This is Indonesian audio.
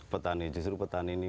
petani justru petani ini